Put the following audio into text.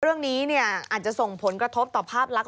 เรื่องนี้อาจจะส่งผลกระทบต่อภาพลักษณ